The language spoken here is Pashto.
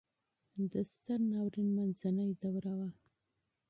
د ستر ناورین منځنۍ دوره وه.